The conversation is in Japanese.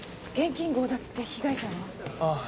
現金強奪って被害者は？